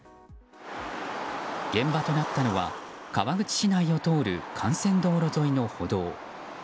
現場となったのは川口市内を通る幹線道路沿いの歩道。